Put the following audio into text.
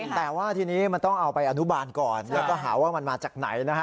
แต่ว่าทีนี้มันต้องเอาไปอนุบาลก่อนแล้วก็หาว่ามันมาจากไหนนะฮะ